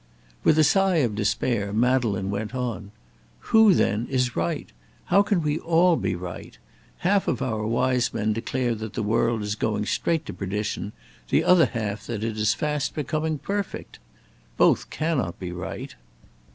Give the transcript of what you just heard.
With a sigh of despair Madeleine went on: "Who, then, is right? How can we all be right? Half of our wise men declare that the world is going straight to perdition; the other half that it is fast becoming perfect. Both cannot be right.